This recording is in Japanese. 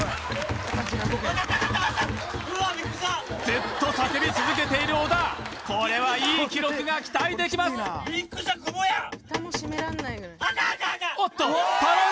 ずっと叫び続けている小田これはいい記録が期待できますビックリしたあかん